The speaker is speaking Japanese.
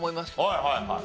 はいはいはい。